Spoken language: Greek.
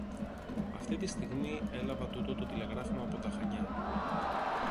Αυτή τη στιγμή έλαβα τούτο το τηλεγράφημα από τα Χανιά